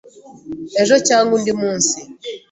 ejo cyangwa undi munsi